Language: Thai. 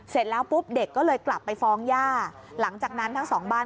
เสร็จแล้วปุ๊บเด็กก็เลยกลับไปฟ้องย่าหลังจากนั้นทั้งสองบ้าน